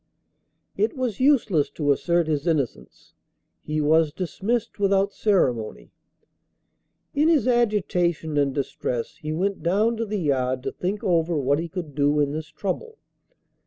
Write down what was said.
It was useless to assert his innocence; he was dismissed without ceremony. In his agitation and distress, he went down to the yard to think over what he could do in this trouble.